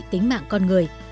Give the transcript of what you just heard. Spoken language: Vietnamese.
tính mạng con người